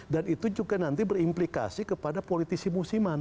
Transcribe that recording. dan itu juga nanti berimplikasi kepada politisi musiman